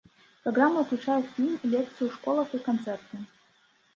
Праграма ўключае фільм, лекцыі ў школах і канцэрты.